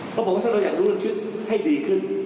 เขาบอกว่าถ้าเราอยากรู้เรื่องชีวิตให้ดีขึ้น